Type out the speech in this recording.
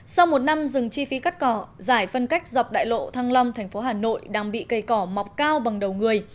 sau một năm dừng chi phí cắt cỏ giải phân cách dọc đại lộ thăng long thành phố hà nội đang bị cây cỏ mọc cao bằng đầu người